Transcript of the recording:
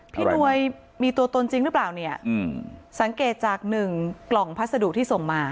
หน่วยมีตัวตนจริงหรือเปล่าเนี่ยสังเกตจากหนึ่งกล่องพัสดุที่ส่งมา